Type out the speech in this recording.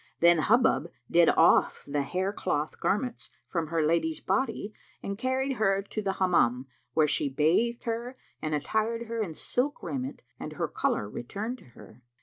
Then Hubub did off the hair cloth garments from her lady's body and carried her to the Hammam, where she bathed her and attired her in silken raiment, and her colour returned to her.